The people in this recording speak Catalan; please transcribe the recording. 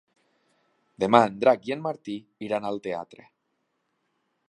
Demà en Drac i en Martí iran al teatre.